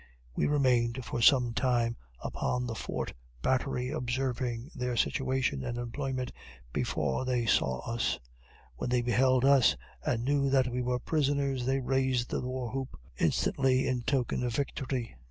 We remained for sometime upon the fort battery observing their situation and employment before they saw us. When they beheld us, and knew that we were prisoners, they raised the war whoop instantly in token of victory.